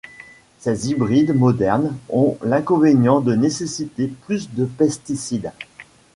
Ces hybrides modernes ont l'inconvénient de nécessiter plus de pesticides.